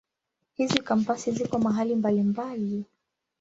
Hizi Kampasi zipo mahali mbalimbali.